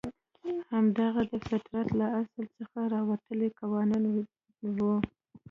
همدغه د فطرت له اصل څخه راوتلي قوانین وو.